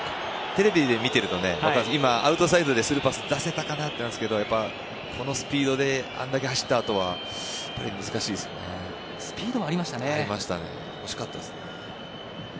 テレビで見ているとアウトサイドでスルーパス出せたかなと思うんですけどこのスピードであれだけ走ったあとはスピードありましたね。